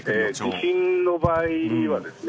地震の場合はですね